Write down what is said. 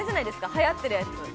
流行ってるやつ。